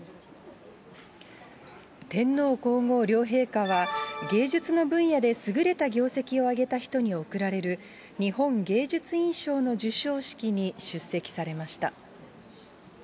天皇皇后両陛下は、芸術の分野で優れた業績を挙げた人に贈られる、日本芸術院賞の授賞式に出席されました。